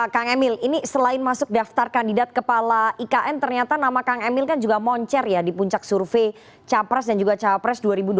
kang emil ini selain masuk daftar kandidat kepala ikn ternyata nama kang emil kan juga moncer ya di puncak survei capres dan juga cawapres dua ribu dua puluh